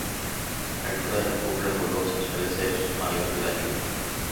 La altura de las cúpulas bulbosas suele ser mayor que la anchura.